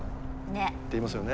っていいますよね